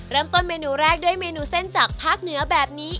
เริ่มต้นเมนูแรกด้วยเมนูเส้นจากภาคเหนือแบบนี้